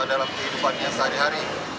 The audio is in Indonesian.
dalam kehidupannya sehari hari